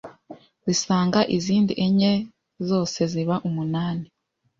zisanga izindi enye zose ziba umunani